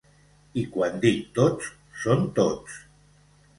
I quan dic tots són tots.